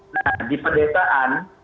nah di pendetaan